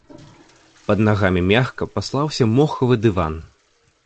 Пад нагамі мякка паслаўся мохавы дыван.